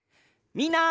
みんな。